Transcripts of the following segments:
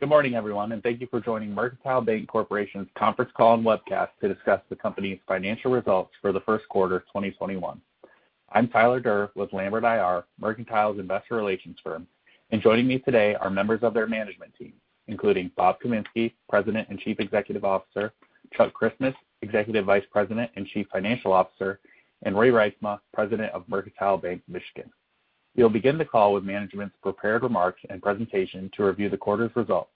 Good morning, everyone, and thank you for joining Mercantile Bank Corporation's conference call and webcast to discuss the company's financial results for the first quarter of 2021. I'm Tyler Deur with Lambert IR, Mercantile's investor relations firm, and joining me today are members of their management team, including Rob Kaminski, President and Chief Executive Officer, Chuck Christmas, Executive Vice President and Chief Financial Officer, and Ray Reitsma, President of Mercantile Bank Michigan. We'll begin the call with management's prepared remarks and presentation to review the quarter's results,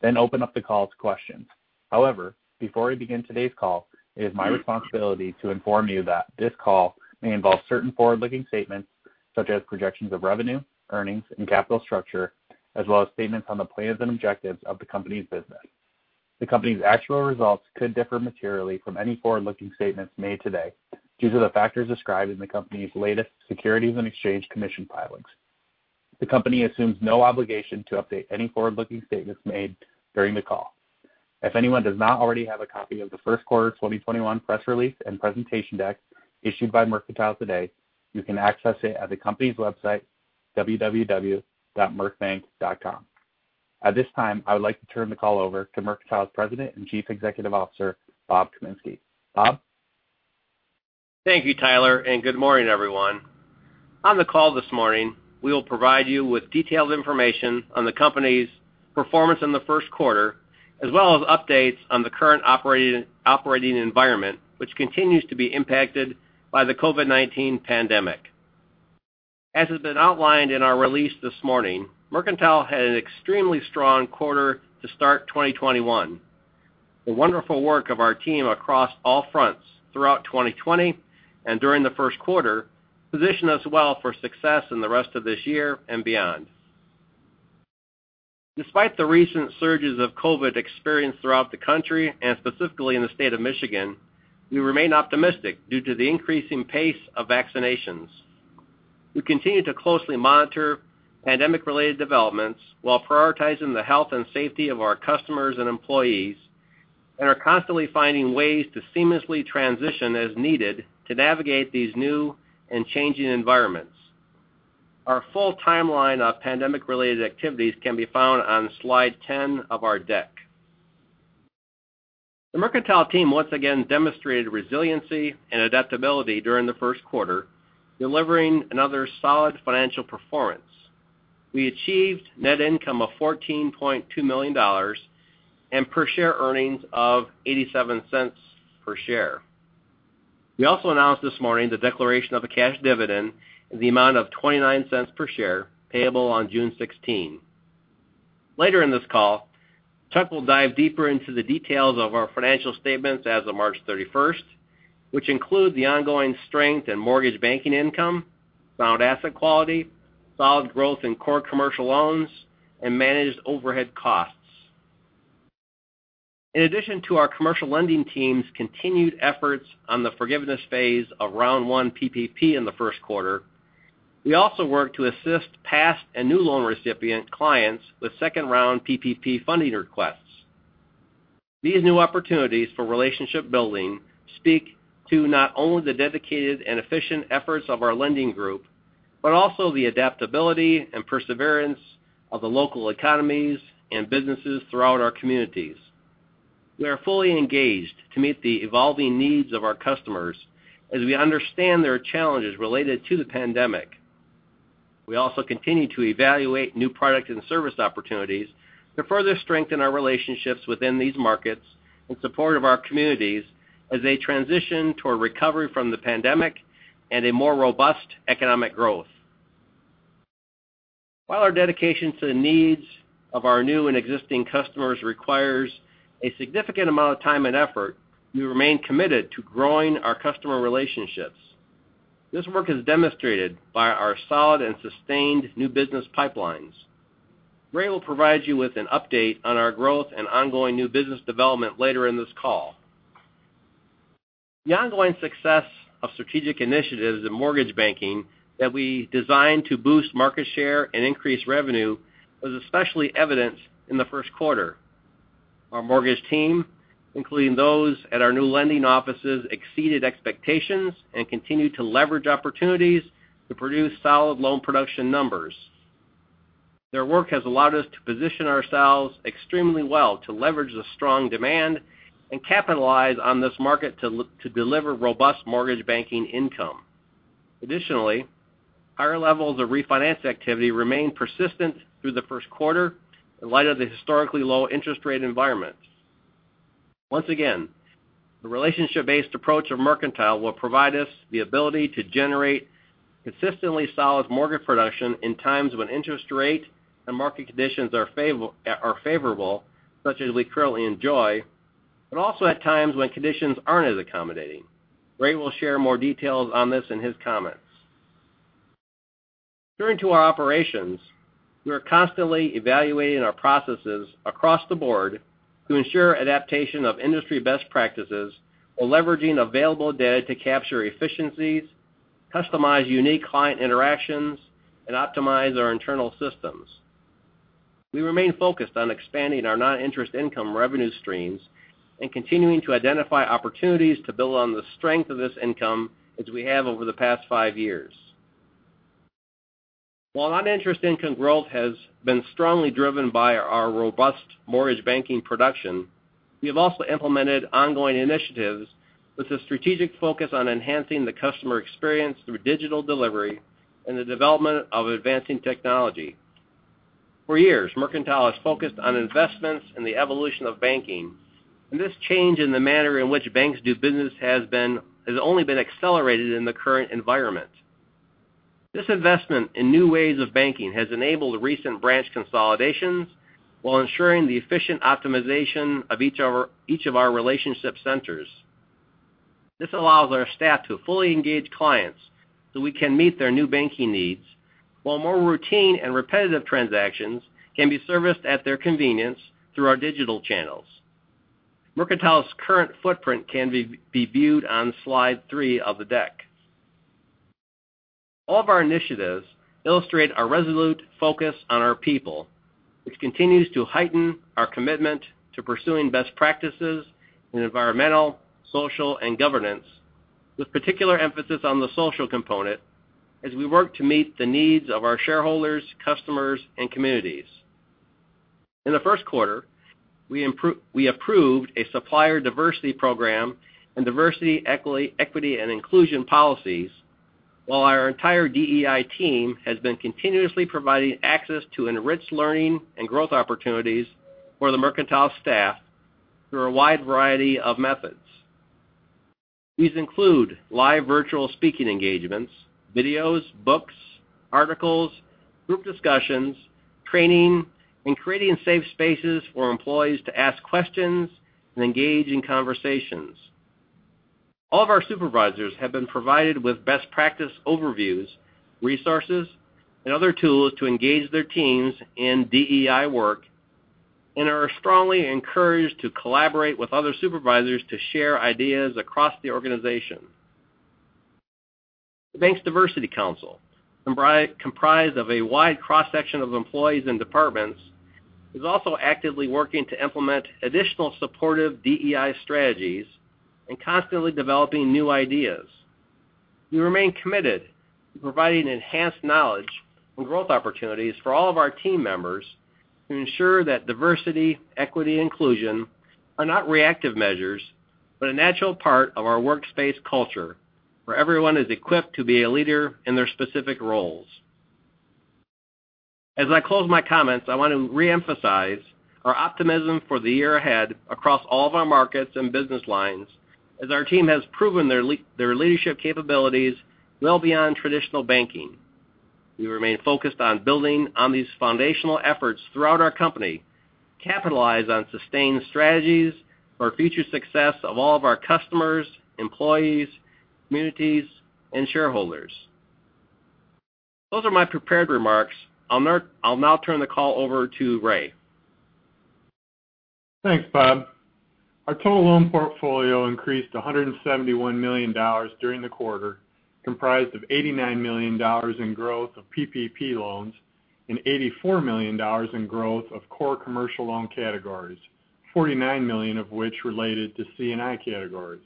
then open up the call to questions. However, before we begin today's call, it is my responsibility to inform you that this call may involve certain forward-looking statements such as projections of revenue, earnings, and capital structure, as well as statements on the plans and objectives of the company's business. The company's actual results could differ materially from any forward-looking statements made today due to the factors described in the company's latest Securities and Exchange Commission filings. The company assumes no obligation to update any forward-looking statements made during the call. If anyone does not already have a copy of the first quarter 2021 press release and presentation deck issued by Mercantile today, you can access it at the company's website, www.mercbank.com. At this time, I would like to turn the call over to Mercantile's President and Chief Executive Officer, Rob Kaminski. Rob? Thank you, Tyler, and good morning, everyone. On the call this morning, we will provide you with detailed information on the company's performance in the first quarter, as well as updates on the current operating environment, which continues to be impacted by the COVID-19 pandemic. As has been outlined in our release this morning, Mercantile had an extremely strong quarter to start 2021. The wonderful work of our team across all fronts throughout 2020 and during the first quarter position us well for success in the rest of this year and beyond. Despite the recent surges of COVID experienced throughout the country, and specifically in the state of Michigan, we remain optimistic due to the increasing pace of vaccinations. We continue to closely monitor pandemic-related developments while prioritizing the health and safety of our customers and employees, and are constantly finding ways to seamlessly transition as needed to navigate these new and changing environments. Our full timeline of pandemic-related activities can be found on slide 10 of our deck. The Mercantile team once again demonstrated resiliency and adaptability during the first quarter, delivering another solid financial performance. We achieved net income of $14.2 million and per share earnings of $0.87 per share. We also announced this morning the declaration of a cash dividend in the amount of $0.29 per share, payable on June 16. Later in this call, Chuck will dive deeper into the details of our financial statements as of March 31st, which include the ongoing strength in mortgage banking income, sound asset quality, solid growth in core commercial loans, and managed overhead costs. In addition to our commercial lending team's continued efforts on the forgiveness phase of Round One PPP in the first quarter, we also worked to assist past and new loan recipient clients with Second Round PPP funding requests. These new opportunities for relationship building speak to not only the dedicated and efficient efforts of our lending group, but also the adaptability and perseverance of the local economies and businesses throughout our communities. We are fully engaged to meet the evolving needs of our customers as we understand their challenges related to the pandemic. We also continue to evaluate new product and service opportunities to further strengthen our relationships within these markets in support of our communities as they transition toward recovery from the pandemic and a more robust economic growth. While our dedication to the needs of our new and existing customers requires a significant amount of time and effort, we remain committed to growing our customer relationships. This work is demonstrated by our solid and sustained new business pipelines. Ray will provide you with an update on our growth and ongoing new business development later in this call. The ongoing success of strategic initiatives in mortgage banking that we designed to boost market share and increase revenue was especially evident in the first quarter. Our mortgage team, including those at our new lending offices, exceeded expectations and continue to leverage opportunities to produce solid loan production numbers. Their work has allowed us to position ourselves extremely well to leverage the strong demand and capitalize on this market to deliver robust mortgage banking income. Additionally, higher levels of refinance activity remained persistent through the first quarter in light of the historically low interest rate environment. Once again, the relationship-based approach of Mercantile will provide us the ability to generate consistently solid mortgage production in times when interest rate and market conditions are favorable, such as we currently enjoy, but also at times when conditions aren't as accommodating. Ray will share more details on this in his comments. Turning to our operations, we are constantly evaluating our processes across the board to ensure adaptation of industry best practices while leveraging available data to capture efficiencies, customize unique client interactions, and optimize our internal systems. We remain focused on expanding our non-interest income revenue streams and continuing to identify opportunities to build on the strength of this income as we have over the past five years. Non-interest income growth has been strongly driven by our robust mortgage banking production, we have also implemented ongoing initiatives with a strategic focus on enhancing the customer experience through digital delivery and the development of advancing technology. For years, Mercantile has focused on investments in the evolution of banking, this change in the manner in which banks do business has only been accelerated in the current environment. This investment in new ways of banking has enabled recent branch consolidations, while ensuring the efficient optimization of each of our relationship centers. This allows our staff to fully engage clients so we can meet their new banking needs, while more routine and repetitive transactions can be serviced at their convenience through our digital channels. Mercantile's current footprint can be viewed on slide three of the deck. All of our initiatives illustrate our resolute focus on our people, which continues to heighten our commitment to pursuing best practices in environmental, social, and governance, with particular emphasis on the social component, as we work to meet the needs of our shareholders, customers, and communities. In the first quarter, we approved a supplier diversity program and diversity, equity, and inclusion policies, while our entire DEI team has been continuously providing access to enriched learning and growth opportunities for the Mercantile staff through a wide variety of methods. These include live virtual speaking engagements, videos, books, articles, group discussions, training, and creating safe spaces for employees to ask questions and engage in conversations. All of our supervisors have been provided with best practice overviews, resources, and other tools to engage their teams in DEI work, and are strongly encouraged to collaborate with other supervisors to share ideas across the organization. The bank's diversity council, comprised of a wide cross-section of employees and departments, is also actively working to implement additional supportive DEI strategies and constantly developing new ideas. We remain committed to providing enhanced knowledge and growth opportunities for all of our team members to ensure that diversity, equity, and inclusion are not reactive measures, but a natural part of our workspace culture, where everyone is equipped to be a leader in their specific roles. As I close my comments, I want to reemphasize our optimism for the year ahead across all of our markets and business lines, as our team has proven their leadership capabilities well beyond traditional banking. We remain focused on building on these foundational efforts throughout our company, capitalize on sustained strategies for future success of all of our customers, employees, communities, and shareholders. Those are my prepared remarks. I'll now turn the call over to Ray. Thanks, Rob. Our total loan portfolio increased to $171 million during the quarter, comprised of $89 million in growth of PPP loans and $84 million in growth of core commercial loan categories, $49 million of which related to C&I categories.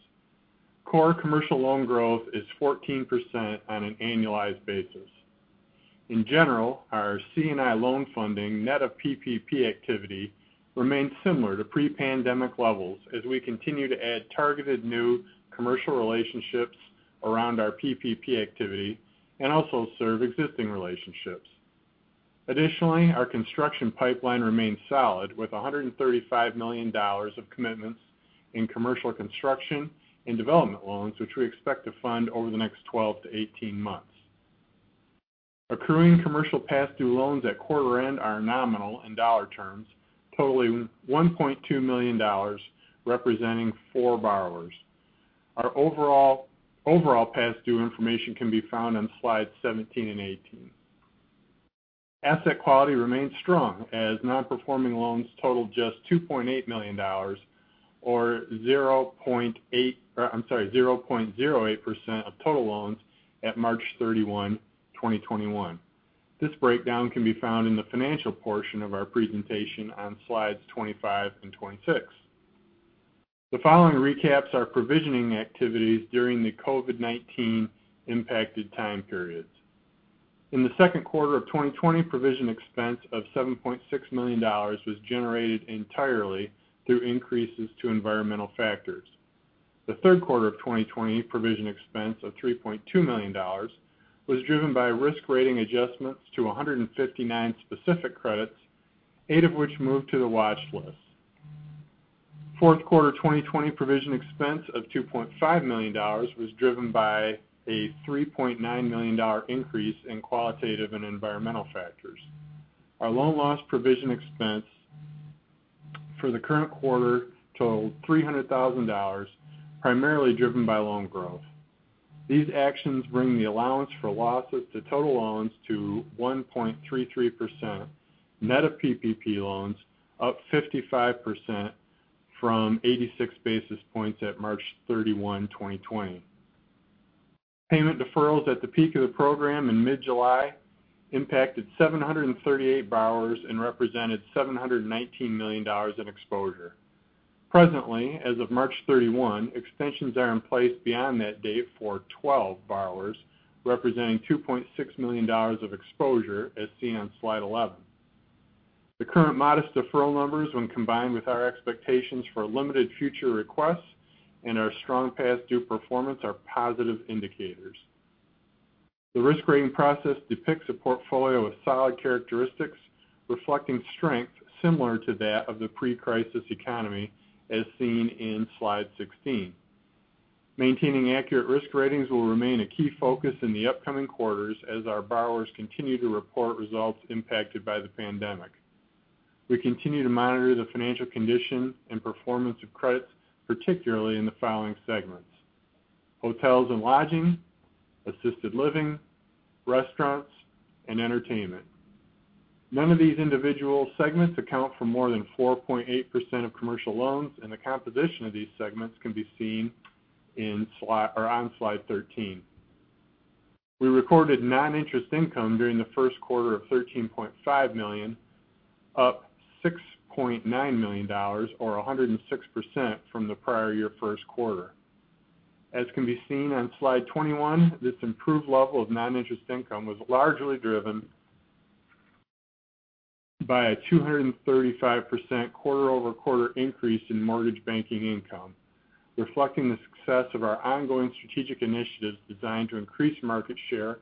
Core commercial loan growth is 14% on an annualized basis. In general, our C&I loan funding, net of PPP activity, remains similar to pre-pandemic levels as we continue to add targeted new commercial relationships around our PPP activity and also serve existing relationships. Additionally, our construction pipeline remains solid, with $135 million of commitments in commercial construction and development loans, which we expect to fund over the next 12 to 18 months. Accruing commercial past due loans at quarter-end are nominal in dollar terms, totaling $1.2 million, representing four borrowers. Our overall past due information can be found on slides 17 and 18. Asset quality remains strong as non-performing loans total just $2.8 million, or 0.08% of total loans at March 31, 2021. This breakdown can be found in the financial portion of our presentation on slides 25 and 26. The following recaps our provisioning activities during the COVID-19 impacted time periods. In the second quarter of 2020, provision expense of $7.6 million was generated entirely through increases to environmental factors. The third quarter of 2020 provision expense of $3.2 million was driven by risk-rating adjustments to 159 specific credits, eight of which moved to the watch list. Fourth quarter 2020 provision expense of $2.5 million was driven by a $3.9 million increase in qualitative and environmental factors. Our loan loss provision expense for the current quarter totaled $300,000, primarily driven by loan growth. These actions bring the allowance for losses to total loans to 1.33%, net of PPP loans, up 55% from 86 basis points at March 31, 2020. Payment deferrals at the peak of the program in mid-July impacted 738 borrowers and represented $719 million in exposure. Presently, as of March 31, extensions are in place beyond that date for 12 borrowers, representing $2.6 million of exposure, as seen on slide 11. The current modest deferral numbers, when combined with our expectations for limited future requests and our strong past due performance, are positive indicators. The risk rating process depicts a portfolio of solid characteristics reflecting strength similar to that of the pre-crisis economy, as seen in slide 16. Maintaining accurate risk ratings will remain a key focus in the upcoming quarters as our borrowers continue to report results impacted by the pandemic. We continue to monitor the financial condition and performance of credits, particularly in the following segments: hotels and lodging, assisted living, restaurants, and entertainment. None of these individual segments account for more than 4.8% of commercial loans, and the composition of these segments can be seen on slide 13. We recorded non-interest income during the first quarter of $13.5 million, up $6.9 million, or 106%, from the prior year first quarter. As can be seen on slide 21, this improved level of non-interest income was largely driven by a 235% quarter-over-quarter increase in mortgage banking income, reflecting the success of our ongoing strategic initiatives designed to increase market share,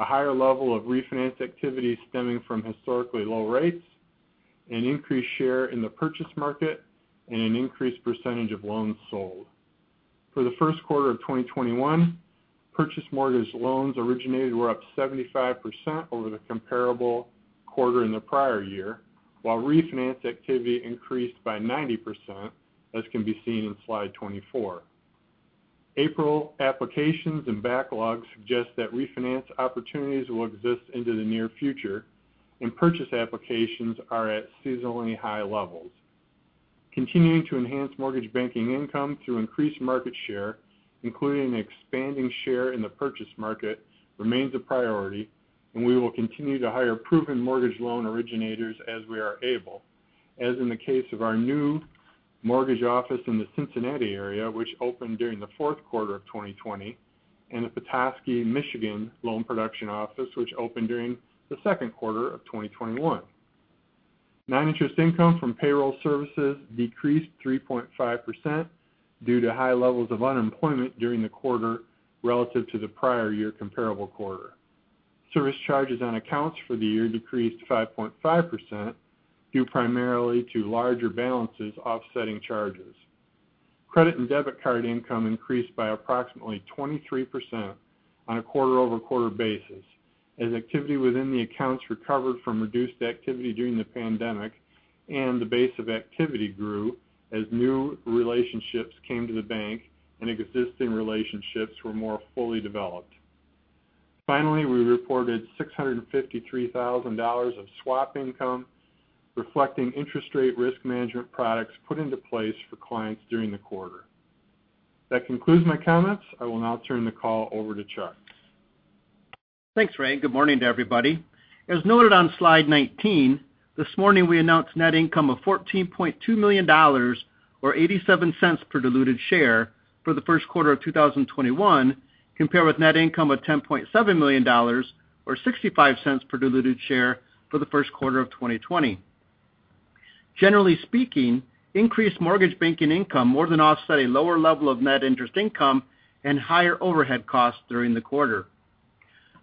a higher level of refinance activity stemming from historically low rates, an increased share in the purchase market, and an increased percentage of loans sold. For the first quarter of 2021, purchase mortgage loans originated were up 75% over the comparable quarter in the prior year, while refinance activity increased by 90%, as can be seen in slide 24. April applications and backlogs suggest that refinance opportunities will exist into the near future. Purchase applications are at seasonally high levels. Continuing to enhance mortgage banking income through increased market share, including expanding share in the purchase market, remains a priority. We will continue to hire proven mortgage loan originators as we are able, as in the case of our new mortgage office in the Cincinnati area, which opened during the fourth quarter of 2020, and the Petoskey, Michigan, loan production office, which opened during the second quarter of 2021. Non-interest income from payroll services decreased 3.5% due to high levels of unemployment during the quarter relative to the prior year comparable quarter. Service charges on accounts for the year decreased 5.5%, due primarily to larger balances offsetting charges. Credit and debit card income increased by approximately 23% on a quarter-over-quarter basis, as activity within the accounts recovered from reduced activity during the pandemic and the base of activity grew as new relationships came to the bank and existing relationships were more fully developed. Finally, we reported $653,000 of swap income, reflecting interest rate risk management products put into place for clients during the quarter. That concludes my comments. I will now turn the call over to Chuck. Thanks, Ray, and good morning to everybody. As noted on slide 19, this morning we announced net income of $14.2 million, or $0.87 per diluted share for the first quarter of 2021, compared with net income of $10.7 million or $0.65 per diluted share for the first quarter of 2020. Generally speaking, increased mortgage banking income more than offset a lower level of net interest income and higher overhead costs during the quarter.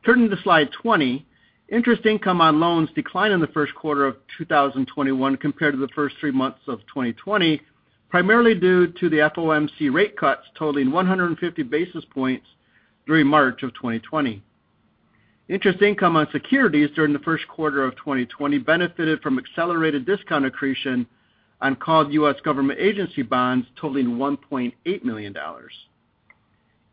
Turning to slide 20, interest income on loans declined in the first quarter of 2021 compared to the first three months of 2020, primarily due to the FOMC rate cuts totaling 150 basis points during March of 2020. Interest income on securities during the first quarter of 2020 benefited from accelerated discount accretion on called U.S. government agency bonds totaling $1.8 million.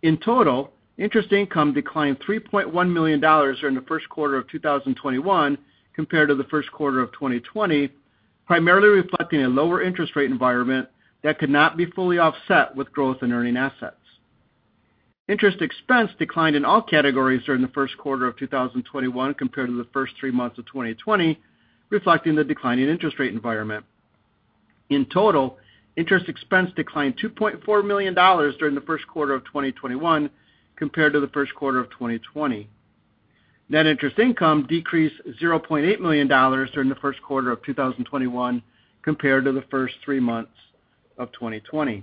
In total, interest income declined $3.1 million during the first quarter of 2021 compared to the first quarter of 2020, primarily reflecting a lower interest rate environment that could not be fully offset with growth in earning assets. Interest expense declined in all categories during the first quarter of 2021 compared to the first three months of 2020, reflecting the decline in interest rate environment. In total, interest expense declined $2.4 million during the first quarter of 2021 compared to the first quarter of 2020. Net interest income decreased $0.8 million during the first quarter of 2021 compared to the first three months of 2020.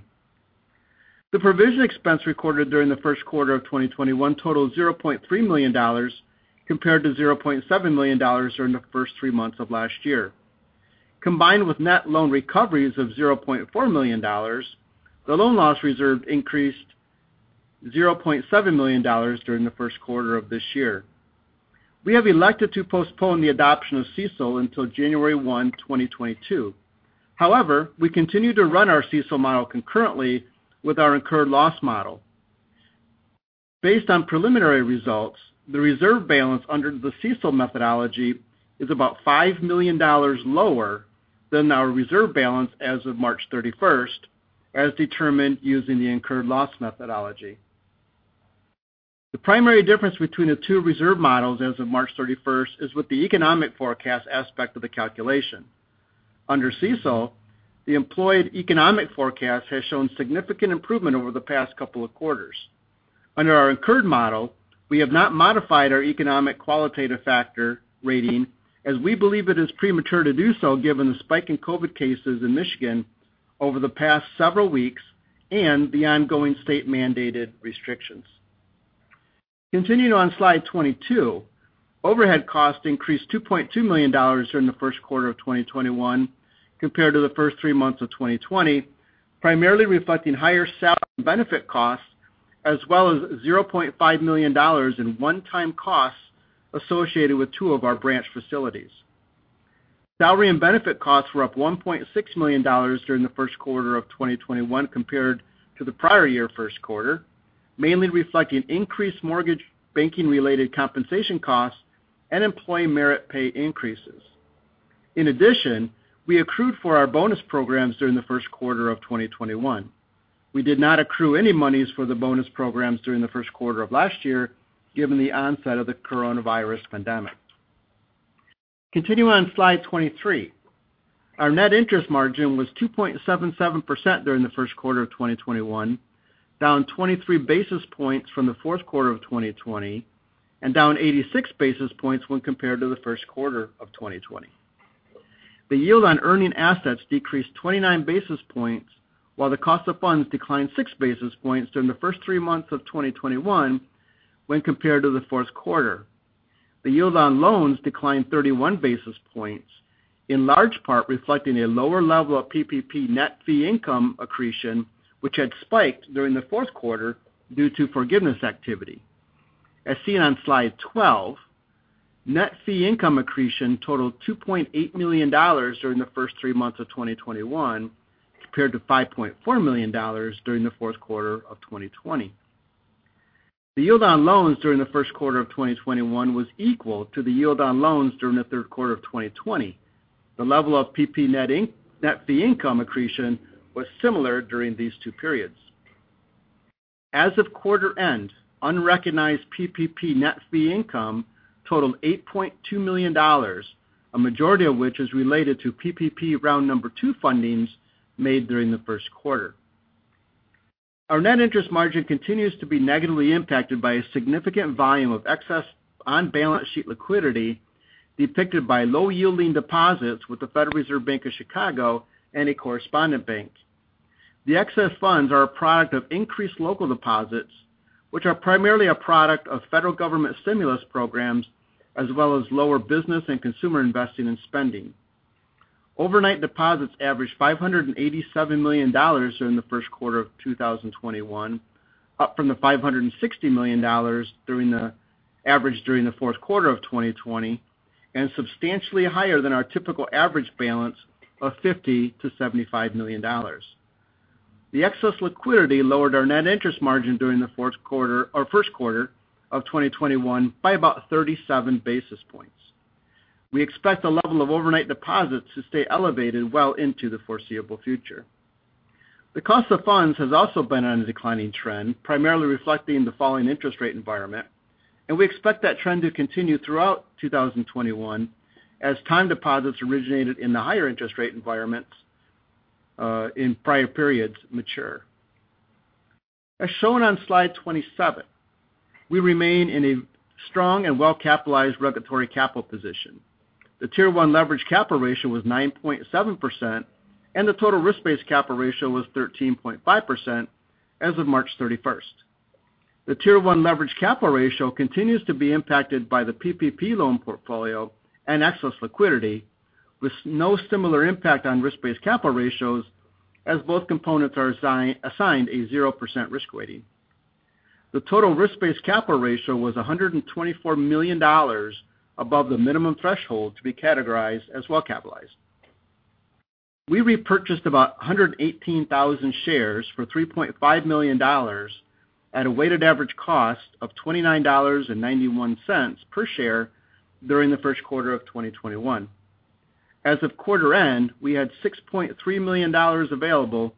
The provision expense recorded during the first quarter of 2021 totaled $0.3 million, compared to $0.7 million during the first three months of last year. Combined with net loan recoveries of $0.4 million, the loan loss reserve increased $0.7 million during the first quarter of this year. We have elected to postpone the adoption of CECL until January 1, 2022. However, we continue to run our CECL model concurrently with our incurred loss model. Based on preliminary results, the reserve balance under the CECL methodology is about $5 million lower than our reserve balance as of March 31st, as determined using the incurred loss methodology. The primary difference between the two reserve models as of March 31st is with the economic forecast aspect of the calculation. Under CECL, the employed economic forecast has shown significant improvement over the past couple of quarters. Under our incurred model, we have not modified our economic qualitative factor rating, as we believe it is premature to do so given the spike in COVID cases in Michigan over the past several weeks and the ongoing state-mandated restrictions. Continuing on slide 22, overhead costs increased $2.2 million during the first quarter of 2021 compared to the first three months of 2020, primarily reflecting higher salary and benefit costs, as well as $0.5 million in one-time costs associated with two of our branch facilities. Salary and benefit costs were up $1.6 million during the first quarter of 2021 compared to the prior year first quarter, mainly reflecting increased mortgage banking-related compensation costs and employee merit pay increases. In addition, we accrued for our bonus programs during the first quarter of 2021. We did not accrue any monies for the bonus programs during the first quarter of last year, given the onset of the coronavirus pandemic. Continuing on slide 23. Our net interest margin was 2.77% during the first quarter of 2021, down 23 basis points from the fourth quarter of 2020 and down 86 basis points when compared to the first quarter of 2020. The yield on earning assets decreased 29 basis points while the cost of funds declined six basis points during the first three months of 2021 when compared to the fourth quarter. The yield on loans declined 31 basis points, in large part reflecting a lower level of PPP net fee income accretion, which had spiked during the fourth quarter due to forgiveness activity. As seen on slide 12, net fee income accretion totaled $2.8 million during the first three months of 2021, compared to $5.4 million during the fourth quarter of 2020. The yield on loans during the first quarter of 2021 was equal to the yield on loans during the third quarter of 2020. The level of PPP net fee income accretion was similar during these two periods. As of quarter end, unrecognized PPP net fee income totaled $8.2 million, a majority of which is related to PPP round number 2 fundings made during the first quarter. Our net interest margin continues to be negatively impacted by a significant volume of excess on-balance sheet liquidity depicted by low-yielding deposits with the Federal Reserve Bank of Chicago and a correspondent bank. The excess funds are a product of increased local deposits, which are primarily a product of federal government stimulus programs, as well as lower business and consumer investing and spending. Overnight deposits averaged $587 million during the first quarter of 2021, up from the $560 million averaged during the fourth quarter of 2020 and substantially higher than our typical average balance of $50 to 75 million. The excess liquidity lowered our net interest margin during the first quarter of 2021 by about 37 basis points. We expect the level of overnight deposits to stay elevated well into the foreseeable future. The cost of funds has also been on a declining trend, primarily reflecting the falling interest rate environment, and we expect that trend to continue throughout 2021 as time deposits originated in the higher interest rate environments in prior periods mature. As shown on slide 27, we remain in a strong and well-capitalized regulatory capital position. The Tier 1 Leverage Capital Ratio was 9.7%, and the Total Risk-Based Capital Ratio was 13.5% as of March 31st. The Tier 1 Leverage Capital Ratio continues to be impacted by the PPP loan portfolio and excess liquidity, with no similar impact on risk-based capital ratios as both components are assigned a 0% risk weighting. The Total Risk-Based Capital Ratio was $124 million above the minimum threshold to be categorized as well-capitalized. We repurchased about 118,000 shares for $3.5 million at a weighted average cost of $29.91 per share during the first quarter of 2021. As of quarter end, we had $6.3 million available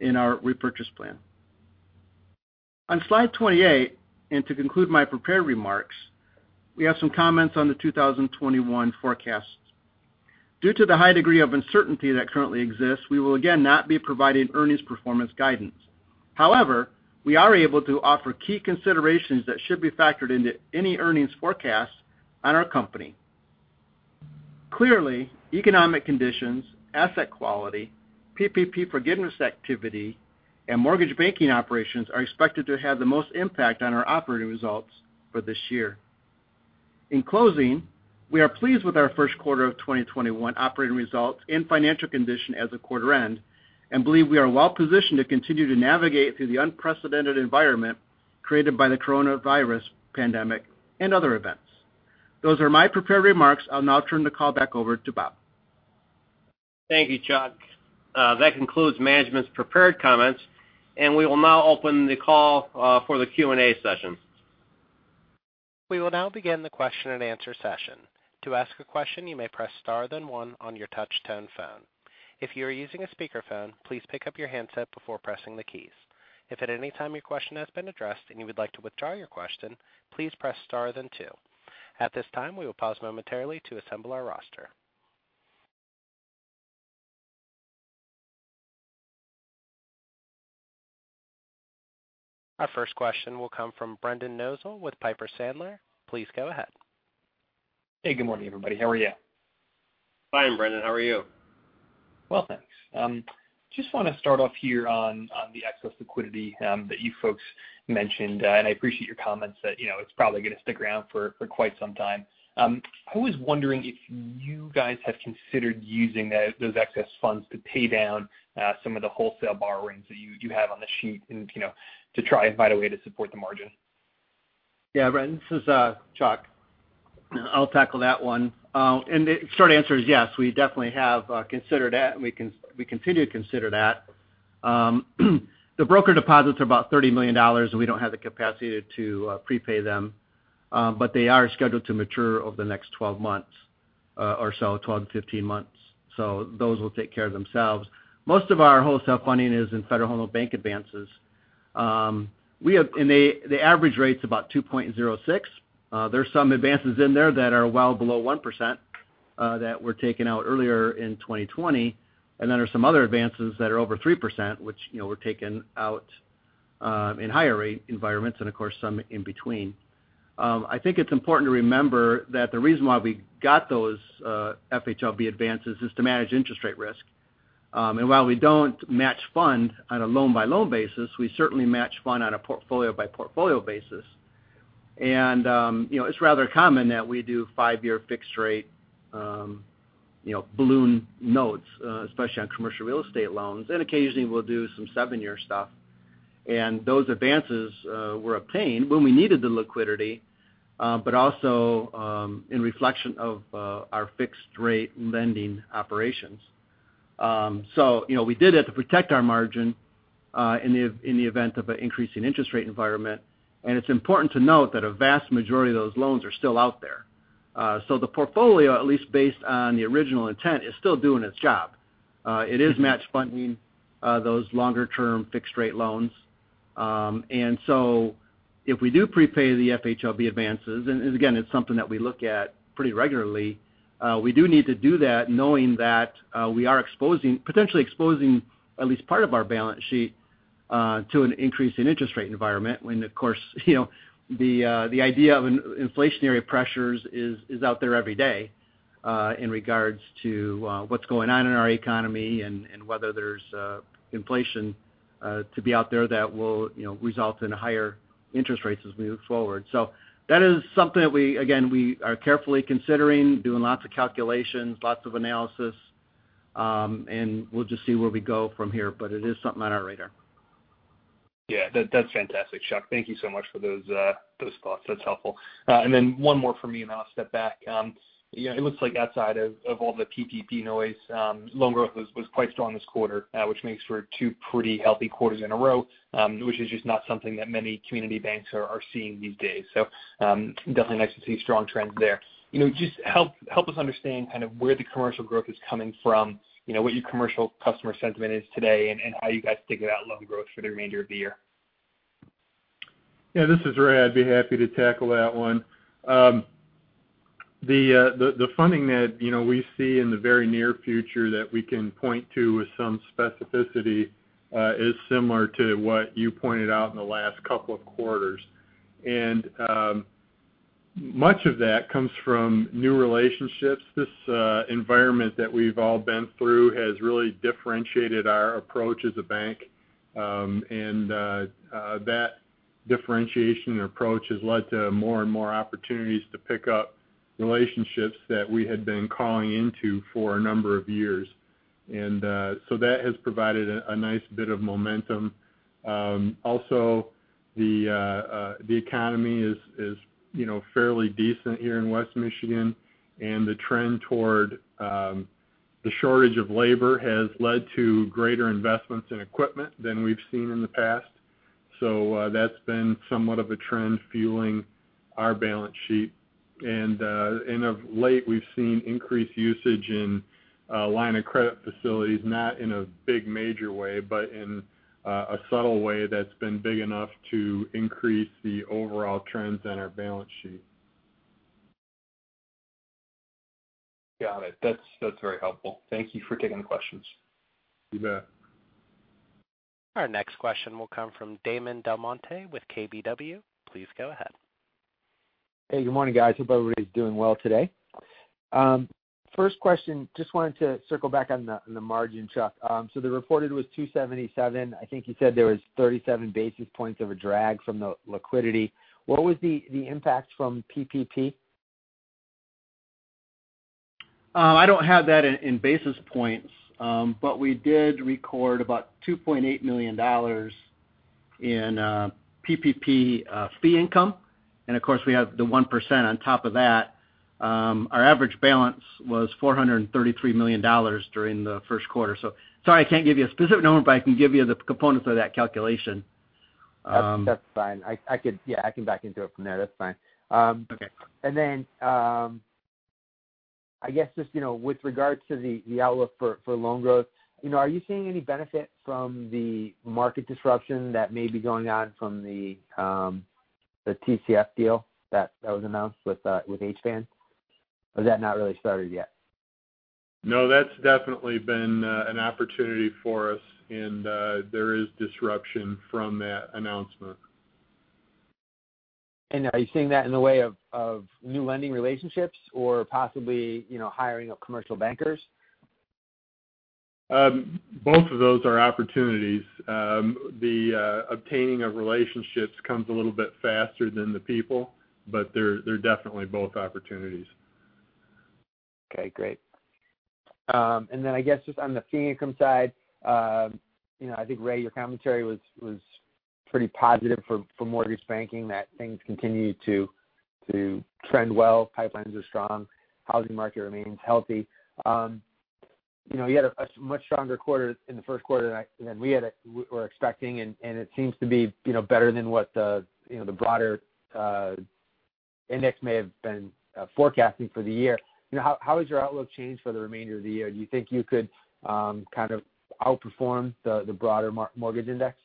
in our repurchase plan. On slide 28, and to conclude my prepared remarks, we have some comments on the 2021 forecasts. Due to the high degree of uncertainty that currently exists, we will again not be providing earnings performance guidance. However, we are able to offer key considerations that should be factored into any earnings forecast on our company. Clearly, economic conditions, asset quality, PPP forgiveness activity, and mortgage banking operations are expected to have the most impact on our operating results for this year. In closing, we are pleased with our first quarter of 2021 operating results and financial condition as of quarter end and believe we are well positioned to continue to navigate through the unprecedented environment created by the coronavirus pandemic and other events. Those are my prepared remarks. I'll now turn the call back over to Rob. Thank you, Chuck. That concludes management's prepared comments, and we will now open the call for the Q&A session. We will now begin the question and answer session, to ask a question, you may press star then one on your touch-tone phone. If you are using a speaker phone, please pick up your handset up before pressing the keys. If at any time your question has been addressed and you would like to withdraw your question, please press star then two. At this time we will pause momentarily to assemble our roster. Our first question will come from Brendan Nosal with Piper Sandler. Please go ahead. Hey, good morning, everybody. How are you? Fine, Brendan. How are you? Well, thanks. Just want to start off here on the excess liquidity that you folks mentioned. I appreciate your comments that it's probably going to stick around for quite some time. I was wondering if you guys have considered using those excess funds to pay down some of the wholesale borrowings that you do have on the sheet and to try and find a way to support the margin. Yeah, Brendan. This is Chuck. I'll tackle that one. The short answer is yes, we definitely have considered that, and we continue to consider that. The brokered deposits are about $30 million, and we don't have the capacity to prepay them. They are scheduled to mature over the next 12 months or so, 12-15 months. Those will take care of themselves. Most of our wholesale funding is in Federal Home Loan Bank advances. The average rate's about 2.06. There's some advances in there that are well below 1% that were taken out earlier in 2020. There are some other advances that are over 3%, which were taken out in higher rate environments and, of course, some in between. I think it's important to remember that the reason why we got those FHLB advances is to manage interest rate risk. While we don't match funds on a loan-by-loan basis, we certainly match funds on a portfolio-by-portfolio basis. It's rather common that we do five-year fixed rate balloon notes, especially on commercial real estate loans. Occasionally, we'll do some seven-year stuff. Those advances were obtained when we needed the liquidity, but also in reflection of our fixed rate lending operations. We did it to protect our margin in the event of an increase in interest rate environment. It's important to note that a vast majority of those loans are still out there. The portfolio, at least based on the original intent, is still doing its job. It is match funding those longer-term fixed rate loans. If we do prepay the FHLB advances, and again, it's something that we look at pretty regularly, we do need to do that knowing that we are potentially exposing at least part of our balance sheet to an increase in interest rate environment when, of course, the idea of an inflationary pressures is out there every day in regards to what's going on in our economy and whether there's inflation to be out there that will result in higher interest rates as we move forward. That is something that, again, we are carefully considering, doing lots of calculations, lots of analysis. We'll just see where we go from here, but it is something on our radar. Yeah. That's fantastic, Chuck. Thank you so much for those thoughts. That's helpful. Then one more from me, and then I'll step back. It looks like outside of all the PPP noise, loan growth was quite strong this quarter which makes for two pretty healthy quarters in a row, which is just not something that many community banks are seeing these days. Definitely nice to see strong trends there. Just help us understand kind of where the commercial growth is coming from, what your commercial customer sentiment is today, and how you guys think about loan growth for the remainder of the year. Yeah, this is Ray. I'd be happy to tackle that one. The funding that we see in the very near future that we can point to with some specificity is similar to what you pointed out in the last couple of quarters. Much of that comes from new relationships. This environment that we've all been through has really differentiated our approach as a bank. That differentiation approach has led to more and more opportunities to pick up relationships that we had been calling into for a number of years. That has provided a nice bit of momentum. Also, the economy is fairly decent here in West Michigan, and the trend toward the shortage of labor has led to greater investments in equipment than we've seen in the past. That's been somewhat of a trend fueling our balance sheet. Of late, we've seen increased usage in line of credit facilities, not in a big major way, but in a subtle way that's been big enough to increase the overall trends in our balance sheet. Got it. That's very helpful. Thank you for taking the questions. You bet. Our next question will come from Damon DelMonte with KBW. Please go ahead. Hey, good morning, guys. Hope everybody's doing well today. First question, just wanted to circle back on the margin, Chuck. The reported was 277. I think you said there was 37 basis points of a drag from the liquidity. What was the impact from PPP? I don't have that in basis points. We did record about $2.8 million in PPP fee income. Of course, we have the 1% on top of that. Our average balance was $433 million during the first quarter. Sorry, I can't give you a specific number, but I can give you the components of that calculation. That's fine. I can back into it from there. That's fine. Okay. Then, I guess, just with regards to the outlook for loan growth, are you seeing any benefit from the market disruption that may be going on from the TCF deal that was announced with Huntington? Or has that not really started yet? No, that's definitely been an opportunity for us, and there is disruption from that announcement. Are you seeing that in the way of new lending relationships or possibly hiring of commercial bankers? Both of those are opportunities. The obtaining of relationships comes a little bit faster than the people, but they're definitely both opportunities. Okay, great. I guess just on the fee income side, I think, Ray, your commentary was pretty positive for mortgage banking, that things continue to trend well. Pipelines are strong, housing market remains healthy. You had a much stronger quarter in the first quarter than we were expecting, and it seems to be better than what the broader index may have been forecasting for the year. How has your outlook changed for the remainder of the year? Do you think you could kind of outperform the broader mortgage index?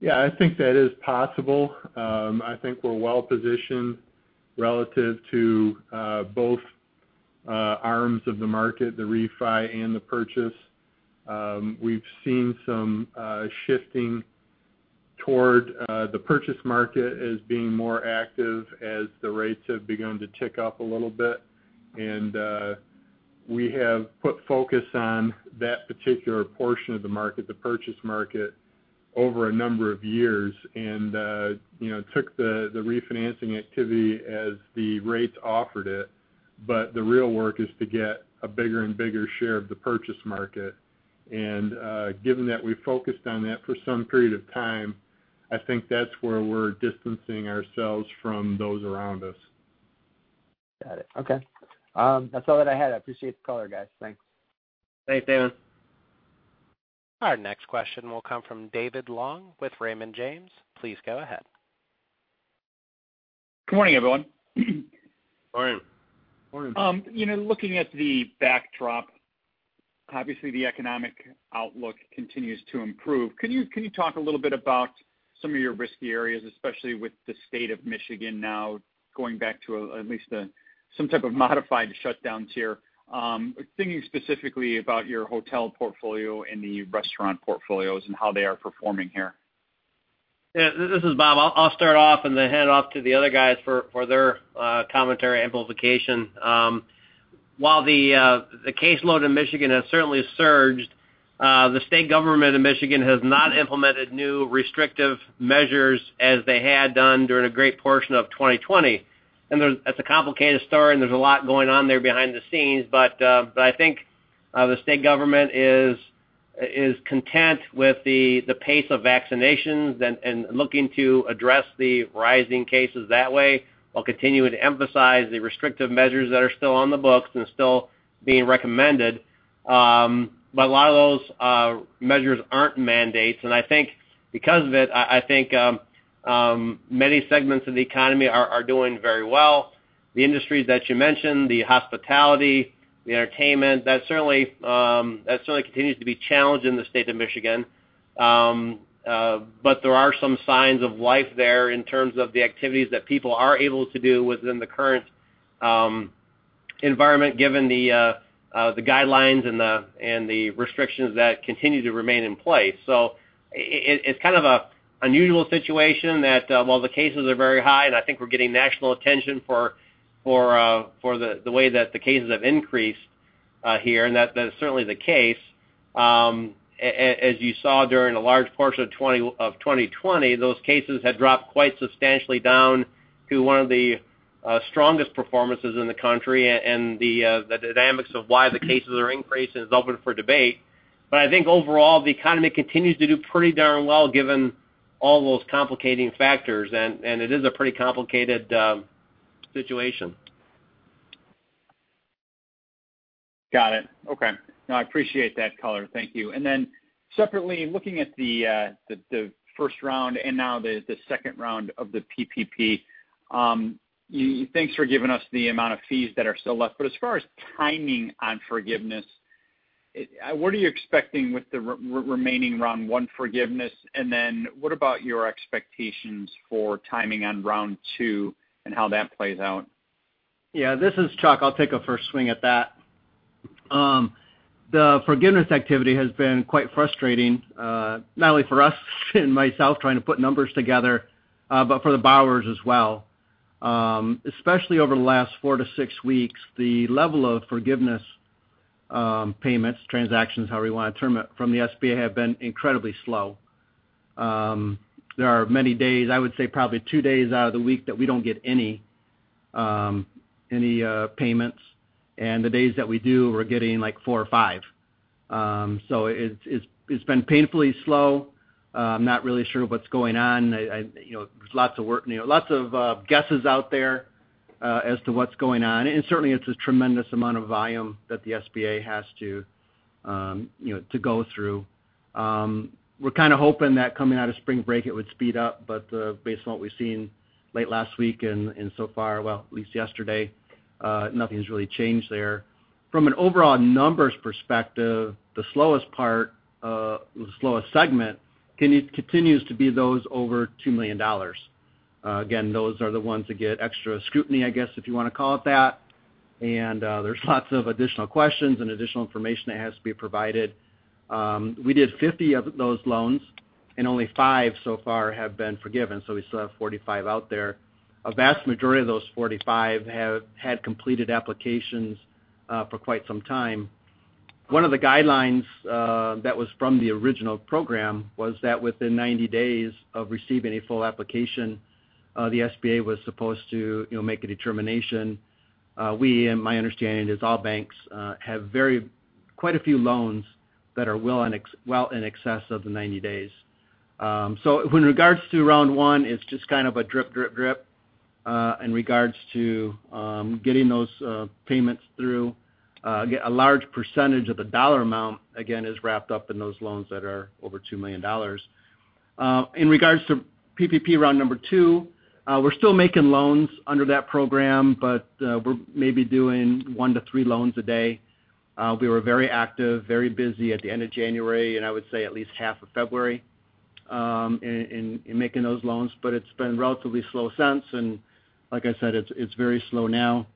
Yeah, I think that is possible. I think we're well-positioned relative to both arms of the market, the refi and the purchase. We've seen some shifting toward the purchase market as being more active as the rates have begun to tick up a little bit. We have put focus on that particular portion of the market, the purchase market, over a number of years and took the refinancing activity as the rates offered it. The real work is to get a bigger and bigger share of the purchase market. Given that we focused on that for some period of time, I think that's where we're distancing ourselves from those around us. Got it. Okay. That's all that I had. I appreciate the color, guys. Thanks. Thanks, Damon. Our next question will come from David Long with Raymond James. Please go ahead. Good morning, everyone. Morning. Morning. Looking at the backdrop, obviously the economic outlook continues to improve. Can you talk a little bit about some of your risky areas, especially with the state of Michigan now going back to at least some type of modified shutdown tier? Thinking specifically about your hotel portfolio and the restaurant portfolios and how they are performing here. Yeah. This is Rob. I'll start off and then hand off to the other guys for their commentary amplification. While the caseload in Michigan has certainly surged, the state government of Michigan has not implemented new restrictive measures as they had done during a great portion of 2020. That's a complicated story, and there's a lot going on there behind the scenes, but I think the state government is content with the pace of vaccinations and looking to address the rising cases that way, while continuing to emphasize the restrictive measures that are still on the books and still being recommended. A lot of those measures aren't mandates, and because of it, I think many segments of the economy are doing very well. The industries that you mentioned, the hospitality, the entertainment, that certainly continues to be challenged in the state of Michigan. There are some signs of life there in terms of the activities that people are able to do within the current environment, given the guidelines and the restrictions that continue to remain in place. It's kind of an unusual situation that while the cases are very high, and I think we're getting national attention for the way that the cases have increased here, and that is certainly the case. As you saw during a large portion of 2020, those cases had dropped quite substantially down to one of the strongest performances in the country. The dynamics of why the cases are increasing is open for debate. I think overall, the economy continues to do pretty darn well given all those complicating factors, and it is a pretty complicated situation. Got it. Okay. No, I appreciate that color. Thank you. Separately, looking at the first round and now the second round of the PPP, thanks for giving us the amount of fees that are still left. As far as timing on forgiveness, what are you expecting with the remaining round one forgiveness, and then what about your expectations for timing on round two and how that plays out? Yeah. This is Chuck. I'll take a first swing at that. The forgiveness activity has been quite frustrating, not only for us and myself trying to put numbers together, but for the borrowers as well. Especially over the last 4-6 weeks, the level of forgiveness payments, transactions, however you want to term it, from the SBA have been incredibly slow. There are many days, I would say probably two days out of the week, that we don't get any payments, and the days that we do, we're getting, like, four or five. It's been painfully slow. I'm not really sure what's going on. There's lots of guesses out there as to what's going on, certainly it's a tremendous amount of volume that the SBA has to go through. We're kind of hoping that coming out of spring break it would speed up, based on what we've seen late last week and so far, well, at least yesterday, nothing's really changed there. From an overall numbers perspective, the slowest segment continues to be those over $2 million. Again, those are the ones that get extra scrutiny, I guess, if you want to call it that. There's lots of additional questions and additional information that has to be provided. We did 50 of those loans, only five so far have been forgiven, so we still have 45 out there. A vast majority of those 45 have had completed applications for quite some time. One of the guidelines that was from the original program was that within 90 days of receiving a full application, the SBA was supposed to make a determination. We, and my understanding is all banks, have quite a few loans that are well in excess of the 90 days. In regards to round one, it's just kind of a drip, drip in regards to getting those payments through. Again, a large percentage of the dollar amount, again, is wrapped up in those loans that are over $2 million. In regards to PPP round number two, we're still making loans under that program, but we're maybe doing one to three loans a day. We were very active, very busy at the end of January, and I would say at least half of February in making those loans. It's been relatively slow since, and like I said, it's very slow now.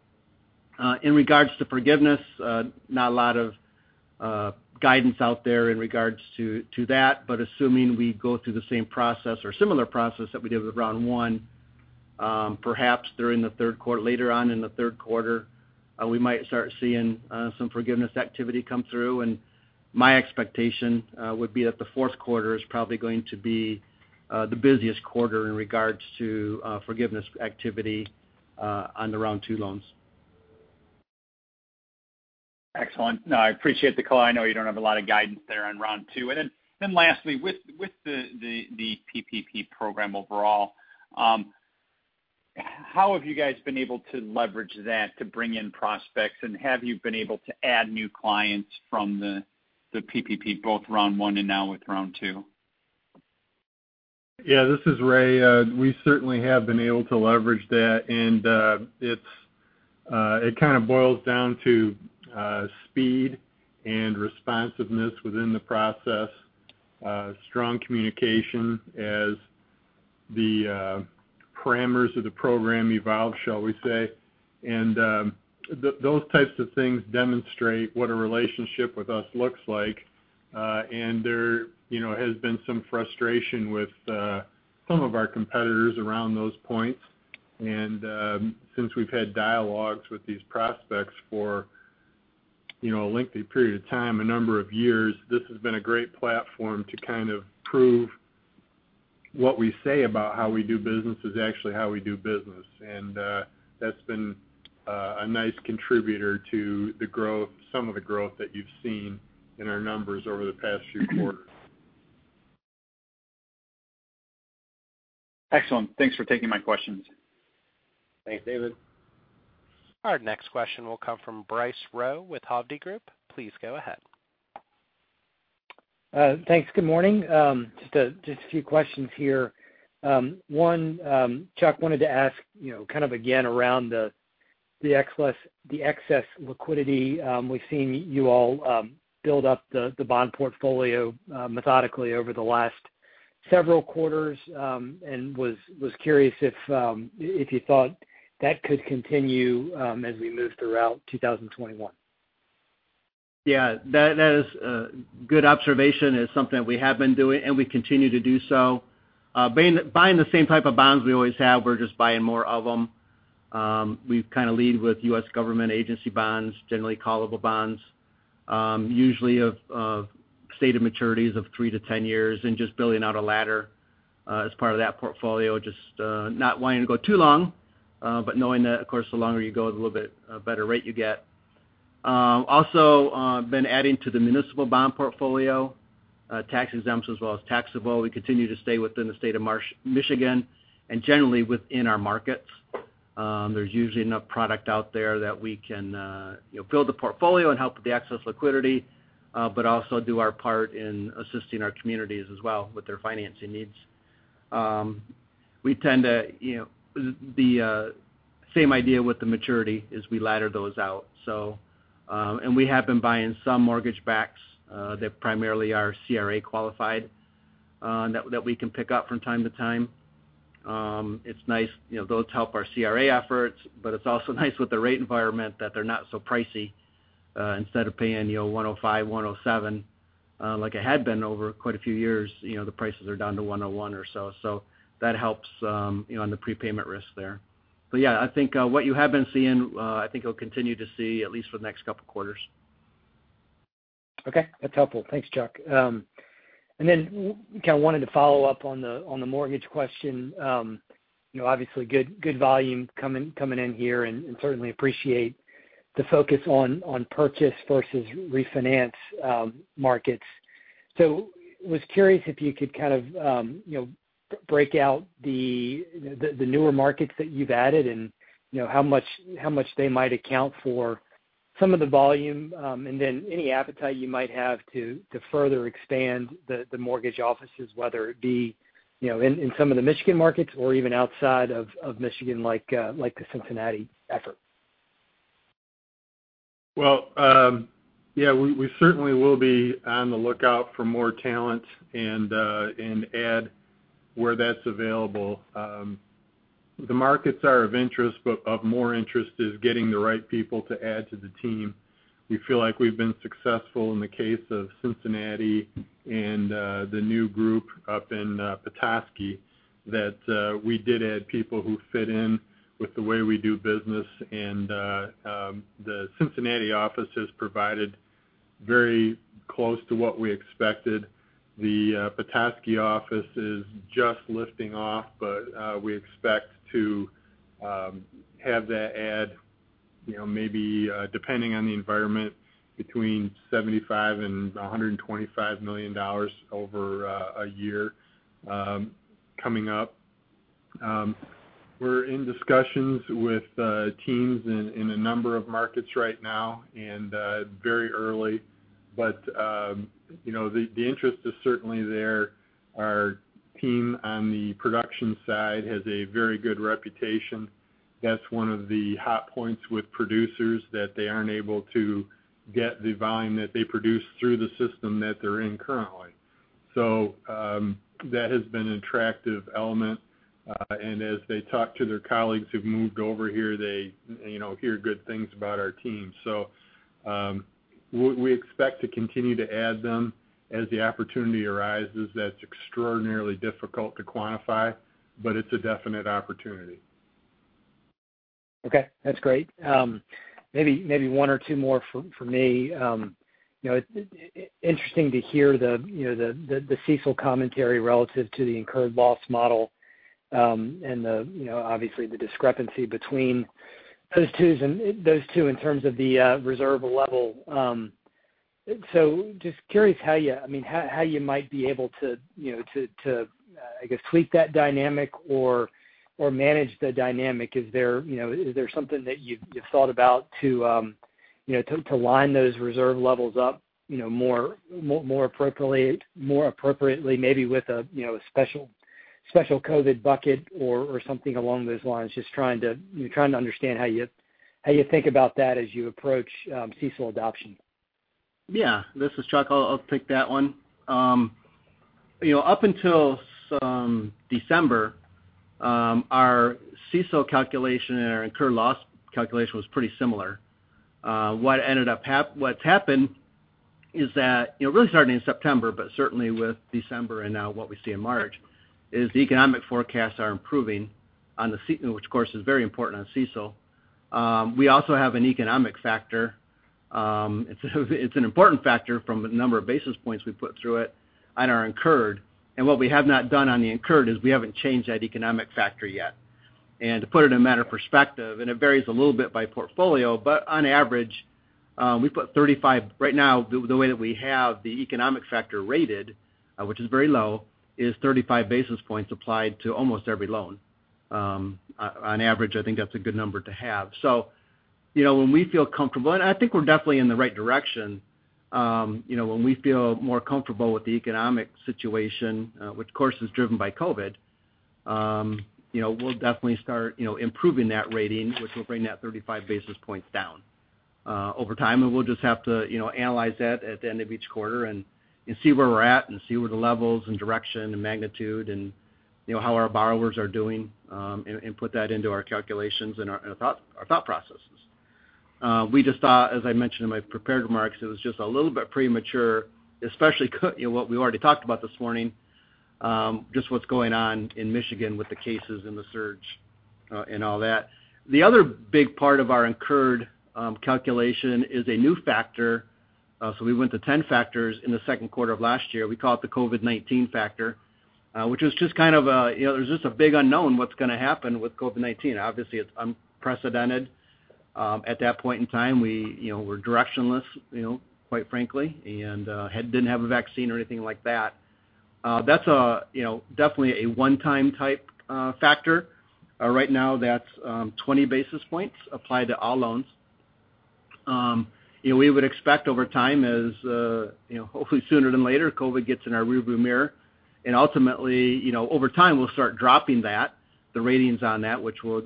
In regards to forgiveness, not a lot of guidance out there in regards to that, but assuming we go through the same process or similar process that we did with round one, perhaps later on in the third quarter, we might start seeing some forgiveness activity come through. My expectation would be that the fourth quarter is probably going to be the busiest quarter in regards to forgiveness activity on the round two loans. Excellent. No, I appreciate the call. I know you don't have a lot of guidance there on round two. Lastly, with the PPP Program overall, how have you guys been able to leverage that to bring in prospects? Have you been able to add new clients from the PPP, both round one and now with round two? Yeah, this is Ray. We certainly have been able to leverage that, and it kind of boils down to speed and responsiveness within the process. Strong communication as the parameters of the program evolved, shall we say. Those types of things demonstrate what a relationship with us looks like. There has been some frustration with some of our competitors around those points. Since we've had dialogues with these prospects for a lengthy period of time, a number of years, this has been a great platform to kind of prove what we say about how we do business is actually how we do business. That's been a nice contributor to some of the growth that you've seen in our numbers over the past few quarters. Excellent. Thanks for taking my questions. Thanks, David. Our next question will come from Bryce Rowe with Hovde Group. Please go ahead. Thanks. Good morning. Just a few questions here. One, Chuck, I wanted to ask kind of again around the excess liquidity. We've seen you all build up the bond portfolio methodically over the last several quarters, and I was curious if you thought that could continue as we move throughout 2021. Yeah, that is a good observation. It's something that we have been doing, and we continue to do so. Buying the same type of bonds we always have. We're just buying more of them. We kind of lead with U.S. government agency bonds, generally callable bonds. Usually of stated maturities of three to 10 years and just building out a ladder as part of that portfolio. Just not wanting to go too long, but knowing that, of course, the longer you go, the little bit better rate you get. Also, been adding to the municipal bond portfolio, tax exempt as well as taxable. We continue to stay within the state of Michigan and generally within our markets. There's usually enough product out there that we can build the portfolio and help with the excess liquidity, but also do our part in assisting our communities as well with their financing needs. The same idea with the maturity is we ladder those out. We have been buying some mortgage backs that primarily are CRA-qualified that we can pick up from time to time. It's nice. Those help our CRA efforts, but it's also nice with the rate environment that they're not so pricey. Instead of paying 105, 107, like it had been over quite a few years, the prices are down to 101 or so. That helps on the prepayment risk there. Yeah, I think what you have been seeing, I think you'll continue to see at least for the next couple of quarters. Okay. That's helpful. Thanks, Chuck. Then I wanted to follow up on the mortgage question. Obviously, good volume coming in here, and certainly appreciate the focus on purchase versus refinance markets. I was curious if you could kind of break out the newer markets that you've added and how much they might account for some of the volume. Any appetite you might have to further expand the mortgage offices, whether it be in some of the Michigan markets or even outside of Michigan, like the Cincinnati effort? Well, yeah, we certainly will be on the lookout for more talent and add where that's available. The markets are of interest, but of more interest is getting the right people to add to the team. We feel like we've been successful in the case of Cincinnati and the new group up in Petoskey, that we did add people who fit in with the way we do business. The Cincinnati office has provided very close to what we expected. The Petoskey office is just lifting off, but we expect to have that add maybe, depending on the environment, between $75 million and $125 million over a year coming up. We're in discussions with teams in a number of markets right now and very early, but the interest is certainly there. Our team on the production side has a very good reputation. That's one of the hot points with producers, that they aren't able to get the volume that they produce through the system that they're in currently. That has been an attractive element. As they talk to their colleagues who've moved over here, they hear good things about our team. We expect to continue to add them as the opportunity arises. That's extraordinarily difficult to quantify, but it's a definite opportunity. Okay, that's great. Maybe one or two more from me. Interesting to hear the CECL commentary relative to the incurred loss model, and obviously, the discrepancy between those two in terms of the reserve level. Just curious how you might be able to, I guess, [sweep] that dynamic or manage the dynamic. Is there something that you've thought about to line those reserve levels up more appropriately, maybe with a special COVID bucket or something along those lines? Just trying to understand how you think about that as you approach CECL adoption. Yeah. This is Chuck. I'll take that one. Up until December, our CECL calculation and our incurred loss calculation was pretty similar. What's happened is that, really starting in September, but certainly with December and now what we see in March, is the economic forecasts are improving, which of course is very important on CECL. We also have an economic factor. It's an important factor from the number of basis points we put through it on our incurred. What we have not done on the incurred is we haven't changed that economic factor yet. To put it in a matter of perspective, and it varies a little bit by portfolio, but on average, we put 35-- right now, the way that we have the economic factor rated, which is very low, is 35 basis points applied to almost every loan. On average, I think that's a good number to have. When we feel comfortable, and I think we're definitely in the right direction, when we feel more comfortable with the economic situation, which of course is driven by COVID, we'll definitely start improving that rating, which will bring that 35 basis points down over time, and we'll just have to analyze that at the end of each quarter and see where we're at and see where the levels and direction and magnitude and how our borrowers are doing, and put that into our calculations and our thought processes. We just thought, as I mentioned in my prepared remarks, it was just a little bit premature, especially what we already talked about this morning, just what's going on in Michigan with the cases and the surge, and all that. The other big part of our incurred calculation is a new factor. We went to 10 factors in the second quarter of last year. We call it the COVID-19 factor, which was just kind of a big unknown what's going to happen with COVID-19. Obviously, it's unprecedented. At that point in time, we were directionless, quite frankly, and didn't have a vaccine or anything like that. That's definitely a one-time type factor. Right now, that's 20 basis points applied to all loans. We would expect over time as, hopefully sooner than later, COVID gets in our rear view mirror, and ultimately, over time, we'll start dropping that, the ratings on that, which will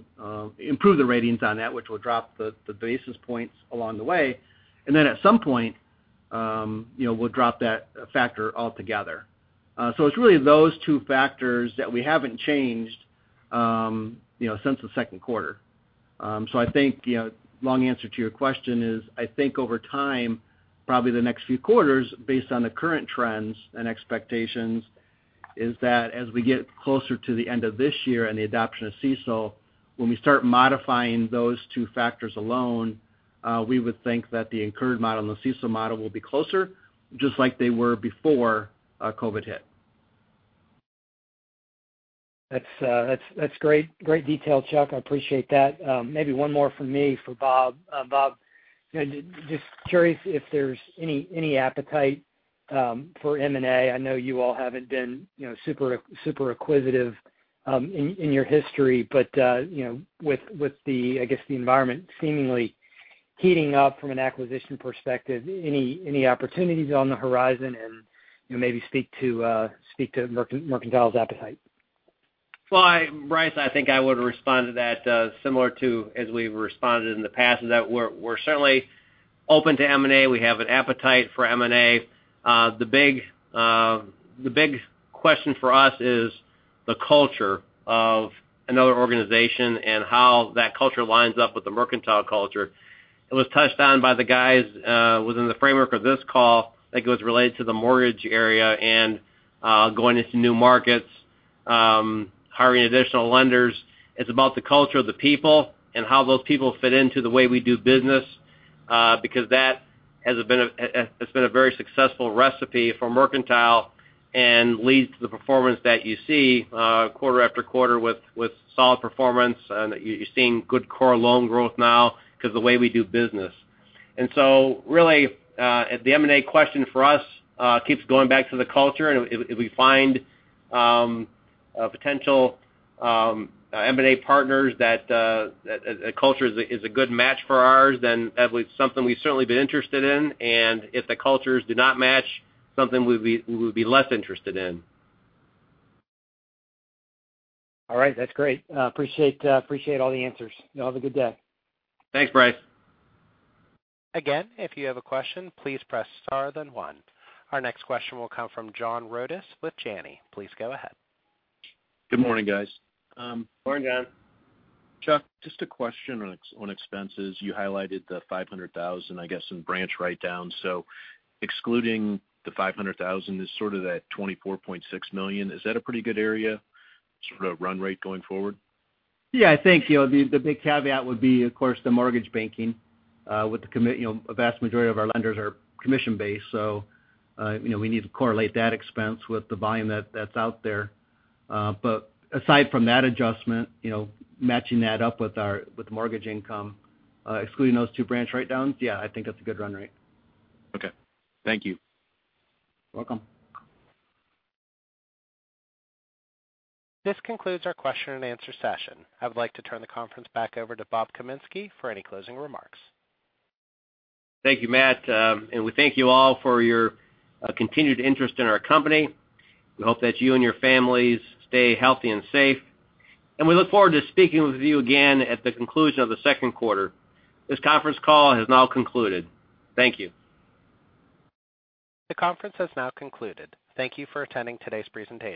improve the ratings on that, which will drop the basis points along the way. At some point, we'll drop that factor altogether. It's really those two factors that we haven't changed since the second quarter. I think, long answer to your question is, I think over time, probably the next few quarters, based on the current trends and expectations is that as we get closer to the end of this year and the adoption of CECL, when we start modifying those two factors alone, we would think that the incurred model and the CECL model will be closer, just like they were before COVID hit. That's great detail, Chuck. I appreciate that. Maybe one more from me for Rob. Rob, just curious if there's any appetite for M&A. I know you all haven't been super acquisitive in your history, with the, I guess, the environment seemingly heating up from an acquisition perspective, any opportunities on the horizon? Maybe speak to Mercantile's appetite. Well, Bryce, I think I would respond to that similar to as we've responded in the past, is that we're certainly open to M&A. We have an appetite for M&A. The big question for us is the culture of another organization and how that culture lines up with the Mercantile culture. It was touched on by the guys within the framework of this call, I think it was related to the mortgage area and going into new markets, hiring additional lenders. It's about the culture of the people and how those people fit into the way we do business, because that has been a very successful recipe for Mercantile and leads to the performance that you see quarter after quarter with solid performance. You're seeing good core loan growth now because the way we do business. Really, the M&A question for us keeps going back to the culture. If we find potential M&A partners that culture is a good match for ours, that'll be something we've certainly been interested in. If the cultures do not match, something we would be less interested in. All right. That's great. Appreciate all the answers. You all have a good day. Thanks, Bryce. If you have a question, please press star then one. Our next question will come from John Rodis with Janney. Please go ahead. Good morning, guys. Morning, John. Chuck, just a question on expenses. You highlighted the $500,000, I guess, in branch write-down. Excluding the $500,000 is sort of that $24.6 million. Is that a pretty good area, sort of run rate going forward? Yeah, I think, the big caveat would be, of course, the mortgage banking with a vast majority of our lenders are commission-based, so we need to correlate that expense with the volume that's out there. Aside from that adjustment, matching that up with mortgage income, excluding those two branch write-downs, yeah, I think that's a good run rate. Okay. Thank you. You're welcome. This concludes our question and answer session. I would like to turn the conference back over to Rob Kaminski for any closing remarks. Thank you, Matt. We thank you all for your continued interest in our company. We hope that you and your families stay healthy and safe, and we look forward to speaking with you again at the conclusion of the second quarter. This conference call has now concluded. Thank you. The conference has now concluded. Thank you for attending today's presentation.